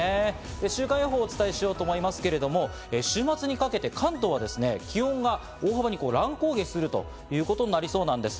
週間予報をお伝えしようと思いますけど、週末にかけて関東は気温が大幅に乱高下するということになりそうなんです。